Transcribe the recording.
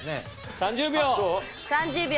３０秒。